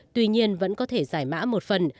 tuy nhiên vẫn có thể giải mã một phần